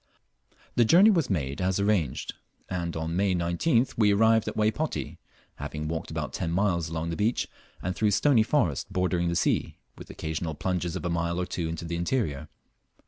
The journey was made as arranged, and on May 19th we arrived at Waypoti, having walked about ten miles along the beach, and through stony forest bordering the sea, with occasional plunges of a mile or two into the interior.